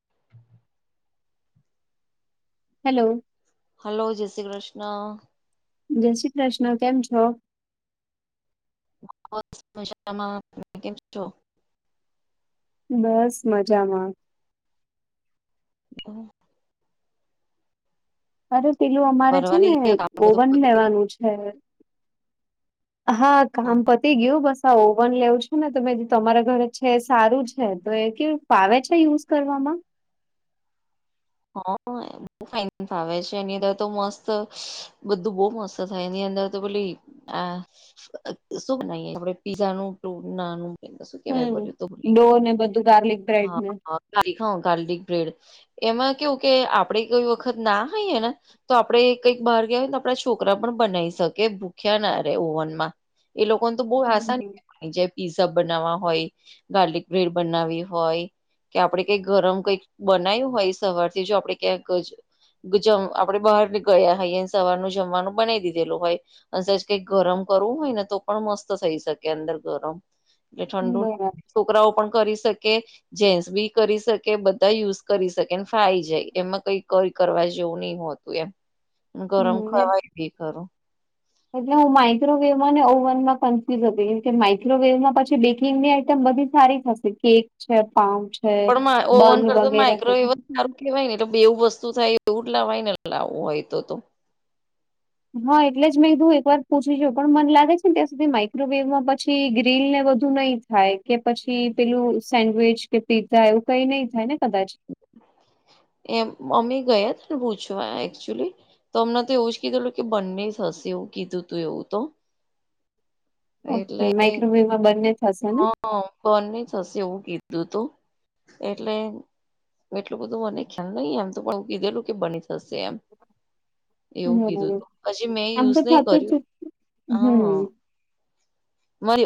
[inaudible] Hello. Hello જય શ્રી કૃષ્ણ. જય શ્રી કૃષ્ણ કેમ છો. બસ મજામાં કેમ છો? બસ મજામાં. [inaudible] અરે પેલું અમારે છે ને પરવારી ગયા કામ બધું ઓવન પતી લેવાનું છે. હા કામ તે ગયું બસ આ ઓવન લેવું છે ને તોમે તમારા ઘર છે સારું છે તો એ કેવું ફાવે છે યુઝ કરવામાં હા બ ફાઇન ફાવે છે એની અંદર તો મસ્ત બધું બહુ મસ્ત થાઈ ની અંદર તો ભોલી આ શું બનાઈ આપડે પીઝા નું ટ નાનું શું કેવાય હમ બધું તો ડો ને બધું ગાર્લિક બ્રેડ ને ્િક હ ગાર્લિક બ્રેડ એમાં કેવું કે આપડે કઈ વખત ના હોઈએ ને તો આપણેે કંઈક બહાર ગયાયને આપણા છોકરા પણ બનાવી શકે ભૂખ્યા ના ર ઓવનમાં એ લોકોને તો બહુ આસાની હમ ઈઝબ બનાવવા હોય ગાર્લિક બ્રેડ બનાવી હોય કે આપડણે કઈક ગરમ કઈક બનાવ્યું હોય સવારથી જો આપડે ક્યાંક જમ આપડે બહાર ની ગયા હોઈએને સવારનું જમવાનું બનાવી દીધેલું હોય અને કઈક ગરમ કરવું હોય ને તો પણ મસ્ત થઈ શકે અંદર ગરમ એટલે ઠંડુ બરાબર છોકરાઓ પણ કરી શકે જેન્ટસ બી કરી શકે બધા યુઝ કરી શકે થાઈ જાય એમાં કઈ કઈ કરવા જેવું નહ હોતું એમ ગરમ હમ એ- ખાવાય ગઈ ખરું એટલે હું માઈક્રોવેવ ને ઓવન માં કન્ફ્યુઝ હતી કે માઈક્રોવેવમાં પછી બેકિંગની આઈટમ બધી સારી થશે કેક છે પાઉ છે પણ ઓવન બન કરતા વગેરે બધી માયક્રોવેવ સારું કેવાય ને એટલે બેવું વસ્તુ થાય એવું જ લાવવાય ને લાવવું હોય તો હા એટલે જ મેંધું એક વાર પૂછી છેું પણ મન લાગે છે ને ત્યાં સુધી માઈક્રોવેવમાં પછી ગ્રીલ ને બધું નહી થાય કે પછી પેલું સેન્ડવીચ કે પીઝઝા એવું કઈ નહી થાય ને કદાચ એમ મમ્મી ગયા હતા ને પૂછવા એકચુલી તો અમને તો એવું જ કીધું હતું કે બંને હશે એવું કીધું તું એવું તો ઓકે માઈક્રોવેવમાં બંને થશે ને કોણને થશે એવું કીધું હતું એટલે એટલું બધું મને ખ્યાલ નહી એમ તો પણ હું કીધેલું કે બની થશે એમ એવું કીધું બરાબર તું હજી મેં આમ યુઝ તો નહી થતું કર્યું જ હમ હા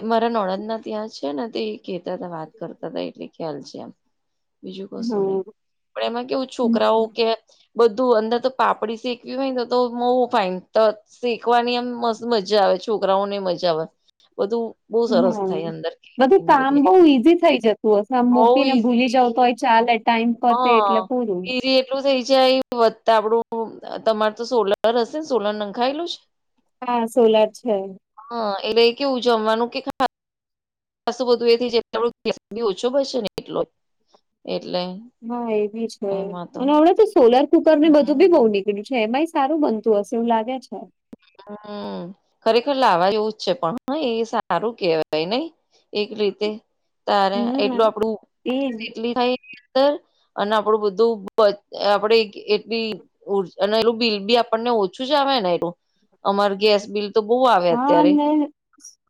મારા નોળંદ ના ત્યાં છે ને તે કેહેતા હતા વાત કરતા હતા એટલે ખ્યાલ છે એમ બીજું કશું નહી હા પણ એમાં કેવું છોકરાઓ હમ કે બધું અંદર તો પાપડી શેકવી હોય તો તો મોવું ફાય તો શીખવાની એમ મસ્ત મજા આવે છોકરાઓને મજા આવે બધું બહુ સરસ હા થાય અંદર એ બધું કામ બધી બહુ ઈઝી થઈ જતું હશે આમ બઉ મૂકીને ભૂલી જાવ ઈઝી તો હોય ચાલે ટાઈમ પતે હા એટલે પૂરું એ એટલું થઈ જાય વધતા આપડું તમાર તો સોલર હશે ને સોલર નંખાયેલું છે હા સોલાર છે હા એટલે એ કેવું જમવાનું કે સ્તું બધું એ થ બી ઓછો બશે ને એટલો એટલે હા એ બી છે અને હમણાં તો સોલાર કુકર ને બધું બી બહુ હમ ની બેલું છે એમાંઈ સારું બનતું હશે એવું લાગે છે હમ ખરેખર લાવવા જેવું જ છે પણ હ એ સારું કેવાય નહી એક રીતે તારે એટલું હમ આપડું એજ એટ થાય અને આપડું બધું આપે એટલી અને એલું બિલ બી આપણને ઓછું જ આવે ને અમાર ગેસ બિલ તો બહુ આવે અત્યારે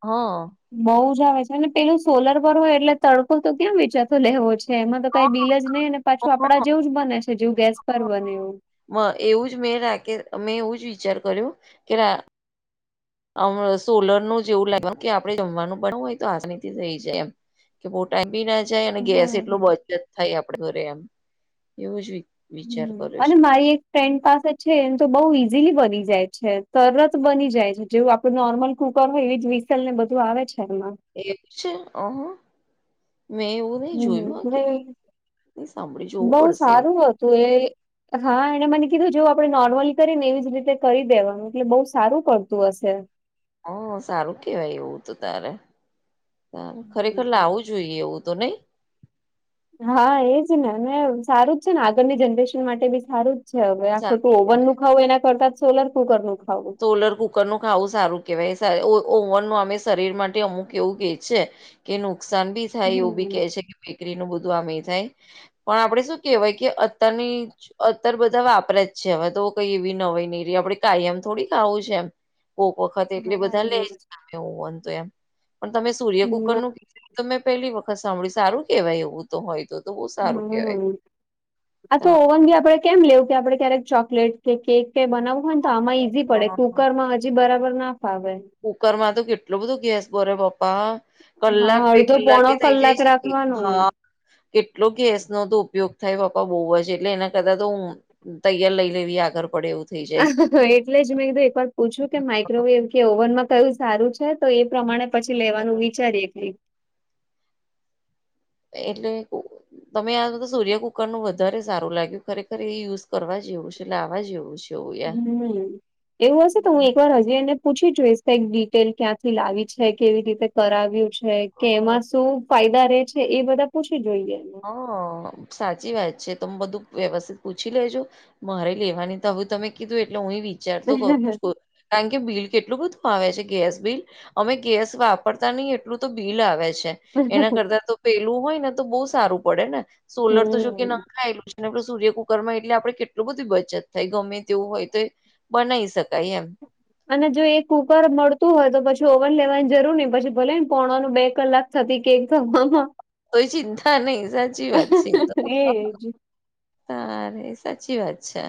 હા. બઉ જ આવે છે અને પેલું સોલર પર હોય એટલે તડકો તો ક્યાં વેચાતો લેવો જ. છે એમાં તો હ કઈ બિલ જ નહીં ને હ પાછું આપડા હ જેવું જ બને છે જેવું ગેસ પર બને એવું. એવું જ મેં રાખ મેં એવું જ વિચાર કર્યો કે અમ સોલર ન જે એવું લાગવા કે આપડે જમવાનું બડવું હોય તો આજનીથી થઈ જાય એમ. કે પો ટા બી ના જાય અને ગેસ એટલો હમ બચત થાય આપડ ઘરે એમ એવું જત હમ અને મારી એક. ફ્રેન્ડ પાસે છે એમ તો બઉુ ઈઝીલી બની જાય છે તરત બની જાય છે જેવું. નોર્મલ કુકર હોય એવી જ વિસલ ને બધું આવે છે એમાં એવું છેહ મેં એવું. નહી જોયું હમ કે હ સાંભળી જોવું બહુ પડશે એવું. સારું હતું એ. હા એને મને કીધું જેવ આપણે નોર્મલી કરીએ ને એવી જ રીતે કરી દેવાનું એટલે બઉુ સારું પડતું હશે. હ સારું કેવાય એવું તો તારે. ખરેખર હમ લાવું જોઈએ એવું તો નહી. હા એજ ને અને સારું જ છે ને આગળની જનરેશન માટે બી સારું જ. હવે આખું સારું તું ઓવન કેવાય. નું ખાવું એના કરતાં જ સોલર કુકર નું ખાવું. સોલર કુકર નું ખાવું સારું કેવાય ઓવન નું અમે શરીર માટે અમુક એવું કે છે. કે નુકસાન ભી. થાય એવું બી હમ્મ. કે છે કે બેકરીનું બધું આમ એ થાય પણ આપડે શું કેહેવાય કે. અતની અત્યારે બધા વાપરે જ છે હવે તો કઈ એવી નવાઈ નહીં આપડે કાયમ થોડી આવું છે એમ કોક વખત એટલી હા બધા લે એવું જ એવું તો એમ પણ તમે સૂર્ય કુકર હમ્મ નું કીધું તમે પહેલી વખત સાંભળી સારું કેહેવાય એવું. હોય તો તો બહુ સારું કેહેવાય. આપણે કેમ લેવું કે આપણે ક્યારેક ચોકલેટ કે કેક કે બનાવું હોય ને તો આમાં ઈઝી પડે કુકરમાં. બરાબર ના ફાવે. કુકર માં તો કેટલો બધું ગેસ બરે બાપ્પા. કલાક હા બે અડધો કલાકે પોણો એ થઇ જાય કલાક છે કે રાખવાનું હા. કેટલો ગેસનો તો ઉપયોગ થાય બાપા બહુ છે એટલે એના કરતા તો હું. તૈયાર લઈ લેવી આગળ પડે એવું. થઈ જાય એટલે જ મેં કીધું એક વાર પૂછ્યું કે માઈક્રોવેવ કે ઓવન માં કયું સારું છે. તો એ પ્રમાણે પછી લેવાનું વિચારીએ કઈ. એટલે. તમે આ સૂર્ય કુકરનું વધારે સારું લાગ્યું ખરેખર એ યુઝ કરવા જેવું છે લાવવા જેવું છે. એવું યાર હમ. એવું હશે તો હું એક વાર હજી એને પૂછી જોઈશ કઈ ડિટેલ ક્યાંથી લાવી છે કેવી રીતે કરાવ્યું છે. કે એમાં શું ફાયદા રે છે એ બધા પૂછી જોઈએ. હ સાચી વાત છે તમે બધું વ્યવસ્થિત પૂછી લેજો. મારે લેવાની તો હવે તમે કીધું એટલે હું વિચાર તો એને કરું. કારણ કે બિલ કેટલું બધું આવે છે ગેસ બિલ. અમે ગેસ વાપરતા નહી એટલું તો બિલ આવે છે. એના હમ કરતા તો પેલું હોય ને તો બહુ સારું પડે ને સોલર તો જોકે નંખાયેલું છે. આપડે સૂર્ય કુકર માં એટલે આપણે કેટલું બધી બચત થાય ગમે તેવું હોય તો. બનાઈ શકાય એમ. અને જો એ કુકર મળતું હોય તો પછી ઓવન લેવાની જરૂર નહી પછી ભલે ને પોણવાનું બે કલાક. કેક થવામાં કોઈ ચિંતા નહીિ સાચી વાત છે તો. એજ સાર સાચી વાત છે.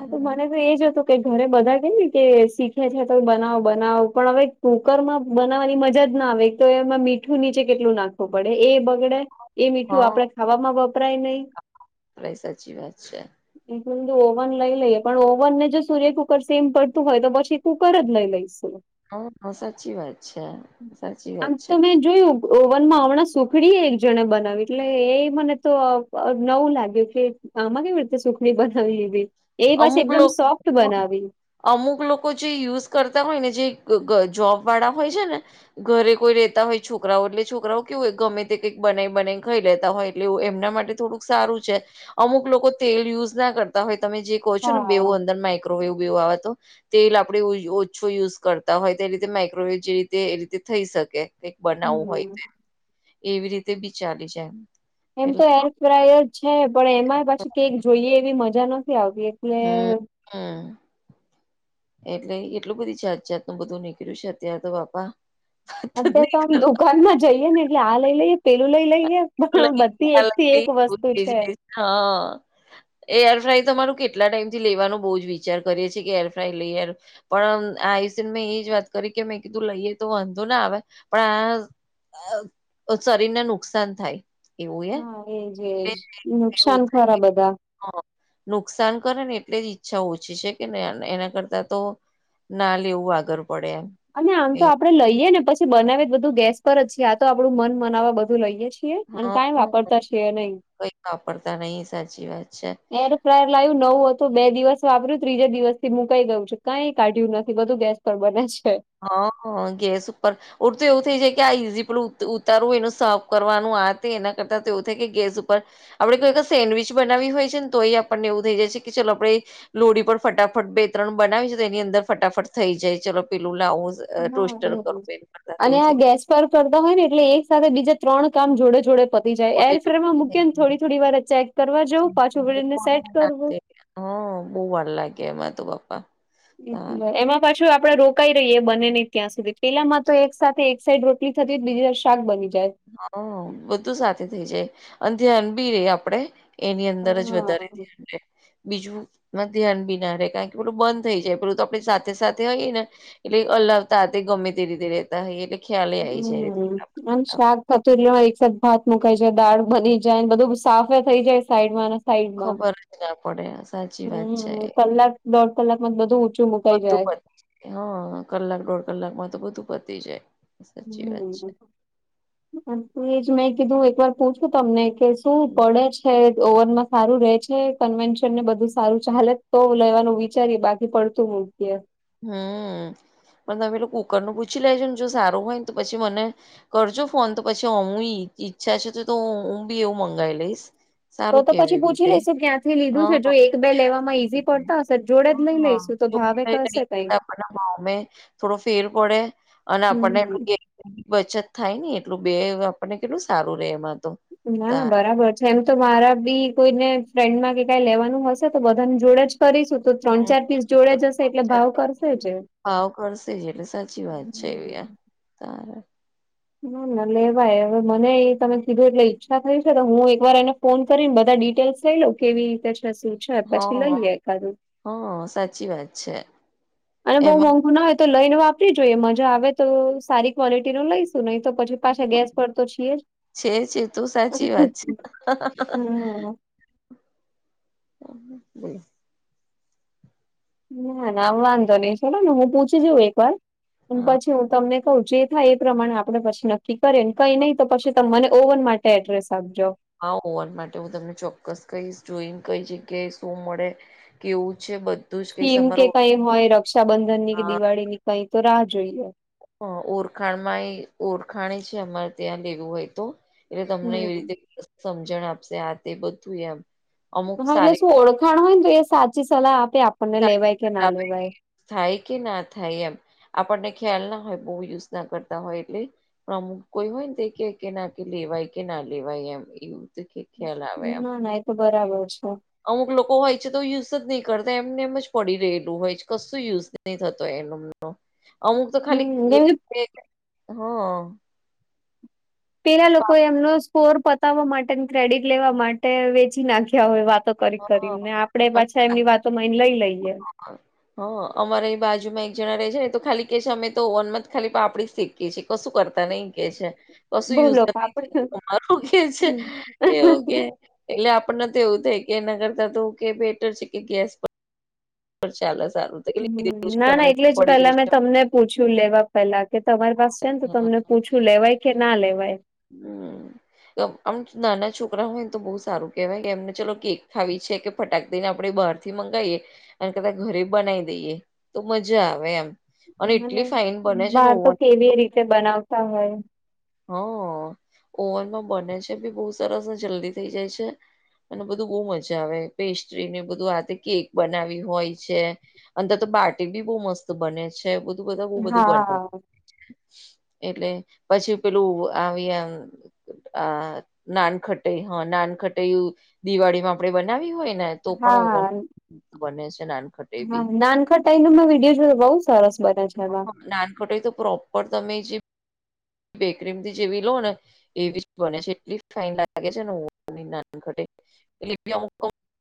હા તો મને તો એજ હતું. ઘરે બધા કે ને કે શીખે છે તો બનાવો બનાવો પણ હવે કુકરમાં બનાવવાની મજા જ ના આવે. તો એમાં મીઠું નીચે કેટલું નાખવું પડે એ બગડે એ મીઠું આપડા ખાવામાં વપરાય નહી આ સાચી વાત છે [inaudible] [inaudible] ઓવન લઈ લઈએ, પણ ઓવન ને જો સૂર્ય કુકર સેમ પડતું હોય, તો પછી એ કુકર જ લઈ લઈશું. હ, સાચી વાત છે, સાચી વાત આમ છે. તો મેં જોયું, ઓવનમાં હમણાં સુખડીએ એક જણે બનાવી, એટલે એ મને તો નવું લાગ્યું કે આમાં કેવી રીતે સુખડી બનાવી લેવી? એ પાછી અમુક એકદમ લોકો સોફ્ટ બનાવી. અમુક લોકો જે યુઝ કરતા હોય ને, જે જોબ વાળા હોય છે ને ઘરે કોઈ રેતા હોય, છોકરાઓ એટલે છોકરાઓ કેવું હોય? ગમે તે કંઈક બનાઈ-બનાઈ ખાઈ લેતા હોય, એટલે એ એમના માટે થોડુંક સારું છે. અમુક લોકો તેલ યુઝ ના કરતા હોય. તમે જે કહો છો ને, હા મેવો અંદર એવું બેવું આવે તો. તેલ આપણેે ઓછો યુઝ કરતા હોય, તે રીતે માઇક્રોવેવ જે રીતે એ રીતે થઈ શકે. કંઈક બનાવવું હોય, હમ એવી રીતે બી ચાલી જાય એમ. એમ તો એર ફ્રાયર છે, પણ એમાં પછી કેક જોઈએ એવી મજા નથી આવતી. એટલે હમ, હ. એટલે કેટલું બધી જાતજાતનું બધું નીકળ્યું છે અત્યારે તો, બાપા! અત્યારે તો આમ દુકાનમાં જઈએ ને, એટલે આ લઈ લઈએ, પેલું લઈ લઈએ. હ, લઈને બધી એક ખ્યાલ થી આપે એક એવું વસ્તુ થઈ છે. જાય હા. એર ફ્રાય તમારું કેટલા ટાઈમથી લેવાનો બહુ જ વિચાર કરીએ છીએ કે, એર ફ્રાય લઈએ. પણ આયુષ ને મેં એજ વાત કરી કે, મેં કીધું, લઈએ તો વાંધો ના આવે, પણ આ અ શરીરને નુકસાન થાય. એવું એ હા, એજ જ નુકસાન ખરા બધા. હ, નુકસાન કરે ને, એટલે જ ઈચ્છા ઓછી છે કે, ને એના કરતા તો ના લેવું, આગળ પડે એમ. અને આમ તો એ આપડે લઈએ ને, પછી બનાવે જ બધું ગેસ પર જ છીએ. આ તો આપડું મન મનાવવા બધું લઈએે. હા કાંય વાપરતા છે નઈ. કઈ વાપરતા નહી સાચી વાત છે ફાયર લાયવી નવું હતું. બે દિવસ વાપર્યું, ત્રીજા દિવસથી મુકાઈ ગયું છે. કંઈ કાઢ્યું નથી, બધું ગેસ પણ બને છે. હા, ગેસ ઉપ ઉપર ઓર તો એવું થઈ જાય કે, આ ઈઝી, પલું ઉતારવું એનું સાફ કરવાનું, આ તે એના કરતા તો એવું થાય કે ગેસ ઉપર આપડે કોઈ સેન્ડવીચ બનાવી હોય છે ને, તો એ આપણને એવું થઈ જાય છે કે, ચાલો, આપણેે લોડી પર ફટાફટ બે-ત્રણ બનાવી છે, તો તેની અંદર ફટાફટ થઈ જાય. ચલો, પેલું લાવું. અ હા ટોસ્ટર એવું કરો પેન કરતા અને તેવું આ થઈ‌. ગેસ કરતા હોય ને, એટલે એક સાથે બીજા ત્રણ કામ જોડે-જોડે પતી જાય. એર ફેરમાં મૂકી ને થોડી-થોડી વાર ચેક કરવા જવું, પાછું વળીને સેટ કરવું. હ, બહુ વાર લાગે એમાં તો, બાપા. તાર બ એમાં. પાછું આપડે રોકાઈ રહીએ, બને નહીં ત્યાં સુધી. પેલામાં તો એક સાથે એક સાઈડ રોટલી થતી હોય, બીજી તરફ શાક બની જાય. હા, બધું સાથે થઇ જાય અને ધ્યાન બી રે આપડે. એની અંદર જ વધારે હા. ધ્યાન રહે. બીજું ધ્યાન બી ના રહે, કારણ કે પેલું બંધ થઈ જાય. પેલું તો આપણી સાથે-સાથે હોઈ ને. એટલે અલ્લાવતા તે ગમે તે રીતે દેહ. હ, એલે ખ્યાલ. હમ. આમ શાક કટોરીમાં, એક સાથે ભાત મુકાઈ જાય, દાળ બની જાયને બધું સાફે થઈ જાય સાઈડ માં. સાઈડમાં ખબર જ ના પડે સાચી વાત છે હમ કલાક દોઢ કલાકમાં જ બધું ઊંચું મક બધું પ જાય હા કલાક દોઢ કલાક માં તો બધું પતી જાય સાચી વાત છે હ એજ મેં કીધું એક વાર પૂછું તમને કે તું પડે જ ઓવન માં સારું રહેે છે, કન્વેન્શન ને બધું સારું ચાલે, તો લેવાનું વિચારીએ, બાકી પડતું. તો. હમ, પણ તમે પેલું કુકર નું પૂછી લેજો ને. જો સારું હોય ને, તો પછી મને કરજો ફોન, તો પછી. હમ, ઈચ્છા છે તો તો હું બી એવું મંગાવી લઈશ. સારું તો કેવાય પછી એવી પૂછી રીતે લઈશુ, ક્યાંથી લીધું છે. હા જો એક-બે લેવામાં ઈઝી પડતા હશે, જોડે જ નહી લઈશું. તો ભાવે કશે આપ મામે થોડો ફેર પડે અને આપણને હમ બચત થાય ને એટલું બે આપણને કેટલું સારું રે એમાં તો ના ના તારે બરાબર એમ તો મારા બી કોઈને ફ્રેન્ડમાં કે કઈ લેવાનું હશે તો બધાની જોડે જ કરીશું તો ત્રણ હમ ચાર પીસ જોડે જશે એટલે ભાવ કરશે જ ભાવ કરશે તાર ના ના લેવાય હવે મને એ તમે સીધું એટલે ઈચ્છા થય છે તો હું એક વાર એને ફોન કરીને બધા ડિટેલ્સ લઈ લઉ કેવી રીતે છે શું છે પછી લઈએ એકાદું હમ સાચી વાત છે અને બહુ એમાં મોંઘું ના હોય તો લઈને વાપરી જોઈએ મજા આવે તો સારી ક્વોલિટી નું લઈ નહી તો પછી પાછ ગેસ પર તો છીએ જ છે છે તું સાચી વાત છે હમ બોલો ના ના આવ વાંધો નઈ ચલો ને હું પૂછી જઉ એક વાર અને હા પછી હું તમને કું જે થાય એ પ્રમાણે આપડે પછી નક્કી કરીએ ને કઈ નહીિ તો પછી તમે મને ઓવન માટે એડ્રેસ આપજો હા હોવાન માટે હું તમને ચોક્કસ કહીશ જોઈને કઈ જગ્યાએ શું મળે કેવું છે બ સ્કીમ કે કઈ હોય રક્ષાબંધન ની કે દિવાળી ની કઈ તો રાહ જોઈએ હ ઓરખાણમાં એ ઓરખાણ છે અમારે ત્યાં લેવું હોય તો એટલે તમને એવી હમ રીતે સમજણ આપશે આ તે બધું એમ અમુક હા એટલે સારી શું ઓળખાણ હોય ને તો એ સાચી સલાહ આપે આપણને લેવાય કે ના લેવાય થાય કે ના થાય એમ આપણને ખ્યાલ ના હોય બહુ યુઝ ના કરતા હોય એટલે અમુક કોઈ હોય ને તે કે કે ના કે લેવાય કે ના લેવાય એમ એવું તો ખ્યાલ આવે એમ ના ના એ તો બરાબર છે અમુક લોકો હોય છે તો યુઝ જ નહી કરતા એમને એમ જ પડી રહેલું હોય છે કશું યુઝ નહી થતો એનો અમુક તો હમ કેમ કે ખાલી હ પેલા લોકો એમનો સ્કોર પતાવવા માટે ક્રેડિટ લેવા માટે વેચી નાખ્યા હોય વાતો કરી કરી ને આપડે પાછા એમની વાતો માને લઈ લઈએ હા અમારે એ બાજુમાં એક જણા રે છે ને તો ખાલી કે છે અમે તો ઓવન માં જ ખાલી પાપડી શીખ કે છે કશું કરતા નહ કે છે કશું યુઝ બોલો આપડે અરું કે છે હમ એવું કે એટલે આપણને તો એવું થાય કે એના કરતા તો કે બેટર છે કે ગેસ પર ચાલ સારું હ લીધેલું છે, ના ના અમારે એટલે જ પડી પેલા મેં રહેશે તમને પૂછ્યું લેવા પેલા કે તમારી પાસે છે ને તો તમને પૂછું લેવાય કે ના લેવાય હમ આમ નાના છોકરા હોય ને તો બહુ સારું કેહેવાય કે એમને ચલો કેક ખાવી છે કે ફટાક દઈ ને આપણે બહાર થી મંગાવીએ અને કદા ઘરે બનાવી દઈએ તો મજા આવે એમ અને એટલી ફાઇન બને છે ને બહાર તો ઓવન કેવી રીતે બનાવતા હોય હા ઓવનમાં બને છે બી બહુ સરસ જલ્દી થઈ જાય છે અને બધું બહુ મજા આવે પેસ્ટ્રી ને બધું આતે કેક બનાવી હોય છે અને ત તો બાટટી બી બહુ મસ્ત બને છે બધું બધ બું બધું બને હા એટલે પછી પેલું આવી્યા આ નાનખટાઈ હા નાન ખટાઈ દિવાળી માં આપડે બનાવી હોય ને તો પણ હા ઓ હા બને છે નાનકટ હા નાનખ ટાઈ નમાં વિડીયો જો બઉુ સરસ બને છે એમાં ટ તો પ્રોપર તમે જે બેકરીમ જેવી લોન એવી જ બને છે એટલી ફાાઈન લાગે છે ને હ નાન ઘટે એટી અમુક